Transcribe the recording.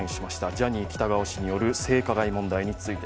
ジャニー喜多川氏による性加害問題です。